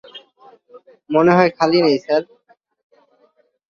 মনে হয় খালি নেই, স্যার।